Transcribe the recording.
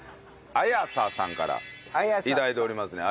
あやささんから頂いておりますね。